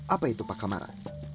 apa itu pakamara